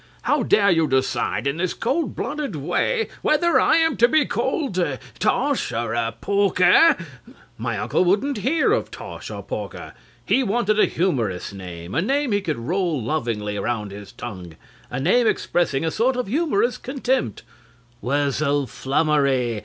How dare you decide in this cold blooded way whether I am to be called ah Tosh or ah Porker! CLIFTON. My uncle wouldn't bear of Tosh or Porker. He wanted a humorous name a name he could roll lovingly round his tongue a name expressing a sort of humorous contempt Wurzel Flummery!